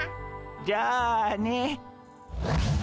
じゃあね。